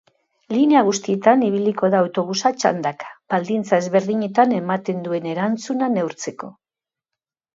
Linea guztitan ibiliko da autobusa txandaka, baldintza ezberdinetan ematen duen erantzuna neurtzeko.